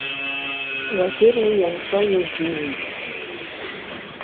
Уажәыр уи анцәа иузиуит.